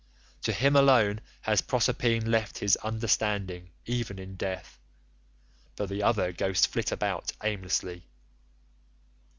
To him alone has Proserpine left his understanding even in death, but the other ghosts flit about aimlessly.